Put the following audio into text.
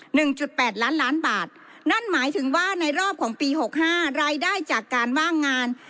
หนึ่งจุดแปดล้านล้านบาทนั่นหมายถึงว่าในรอบของปีหกห้ารายได้จากการว่างงาน